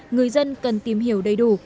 người dân cần tìm hiểu đầy đủ